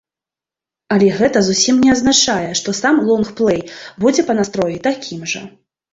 Але гэта зусім не азначае, што сам лонгплэй будзе па настроі такім жа.